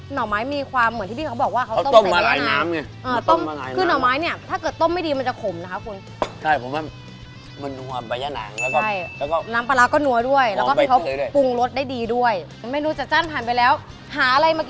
หน่อไม้มีความเหมือนที่พี่เค้าบอก